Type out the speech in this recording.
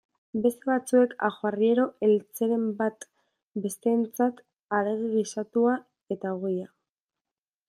Beste batzuek ajoarriero eltzeren bat, besteentzat haragi gisatua eta ogia.